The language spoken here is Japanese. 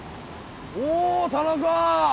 ・お田中！